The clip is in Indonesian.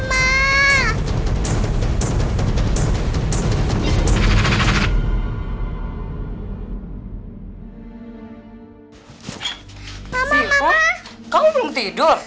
mama mama siapa kamu belum tidur